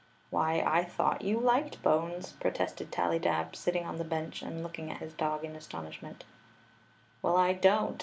"Why,I*thought you liked bones!" protested Tally dab, sitting on the bench and looking at his dog in astonishmoit "Well, I don't.